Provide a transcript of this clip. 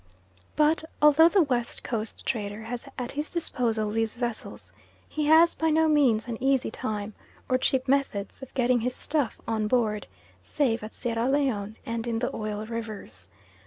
But although the West Coast trader has at his disposal these vessels, he has by no means an easy time, or cheap methods, of getting his stuff on board, save at Sierra Leone and in the Oil Rivers.